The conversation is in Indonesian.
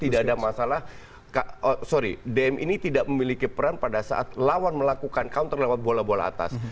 tidak ada masalah sorry dam ini tidak memiliki peran pada saat lawan melakukan counter lewat bola bola atas